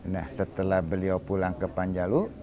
nah setelah beliau pulang ke panjalu